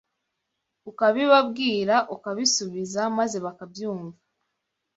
Ukabibabwira ukabisubiza maze bakabyumva